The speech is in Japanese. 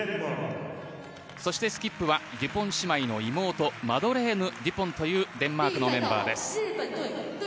そしてスキップはデュポン姉妹の妹マドレーヌ・デュポンというデンマークのメンバーです。